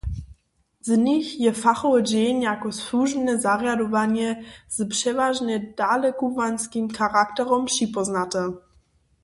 Za nich je fachowy dźeń jako słužbne zarjadowanje z přewažnje dalekubłanskim charakterom připóznate.